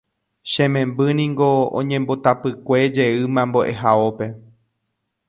che memby ningo oñembotapykue jeýma mbo'ehaópe.